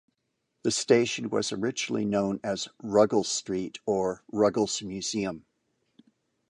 The station was originally known as Ruggles Street or Ruggles-Museum.